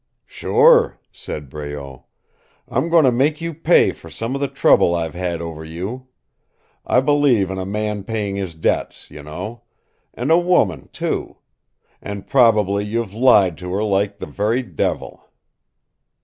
"Sure," said Breault. "I'm going to make you pay for some of the trouble I've had over you. I believe in a man paying his debts, you know. And a woman, too. And probably you've lied to her like the very devil."